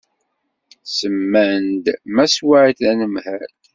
Semman-d Mass White d anemhal.